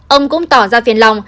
ông cũng tỏ ra phiền lòng